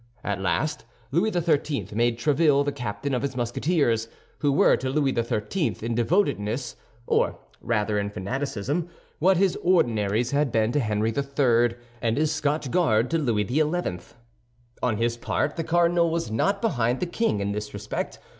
At last Louis XIII. made Tréville the captain of his Musketeers, who were to Louis XIII. in devotedness, or rather in fanaticism, what his Ordinaries had been to Henry III., and his Scotch Guard to Louis XI. On his part, the cardinal was not behind the king in this respect.